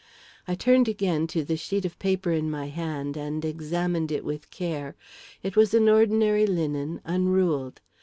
I turned again to the sheet of paper in my hand and examined it with care. It was an ordinary linen, unruled.